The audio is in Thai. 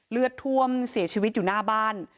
เลือดท่วมเสียชีวิตอยู่หน้าบ้าน